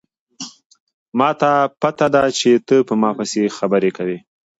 ما ته پته ده چې ته په ما پسې خبرې کوې